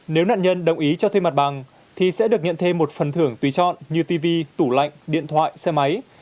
nếu nạn nhân đồng ý cho thuê mặt bằng thì sẽ được nhận thêm một phần thưởng tùy chọn như tv tủ lạnh điện thoại xe máy